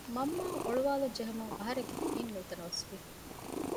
މަންމައަށް އޮޅުވާލަން ޖެހުމުން އަހަރެންގެ ހިތް ނުތަނަވަސް ވި